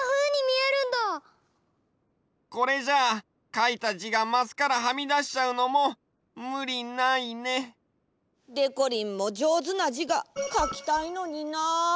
これじゃあかいたじがマスからはみだしちゃうのもむりないね。でこりんもじょうずなじがかきたいのにな。